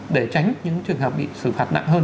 để tránh những trường hợp bị xử phạt nặng hơn